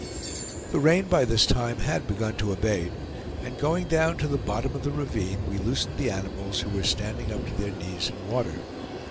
The rain by this time had begun to abate; and going down to the bottom of the ravine, we loosened the animals, who were standing up to their knees in water.